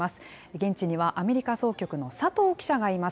現地にはアメリカ総局の佐藤記者がいます。